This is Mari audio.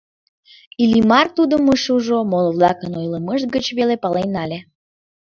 Иллимар тудым ыш уж, моло-влакын ойлымышт гыч веле пален нале.